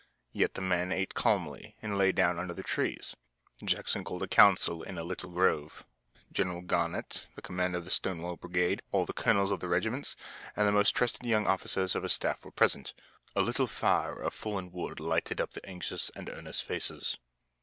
Yet the men ate calmly and lay down under the trees. Jackson called a council in a little grove. General Garnett, the commander of the Stonewall Brigade, all the colonels of the regiments, and the most trusted young officers of his staff were present. A little fire of fallen wood lighted up the anxious and earnest faces.